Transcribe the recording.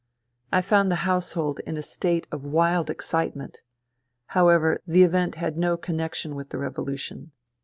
I found the household in a state of wild excite ment. However, the event had no connexion with the Revolution.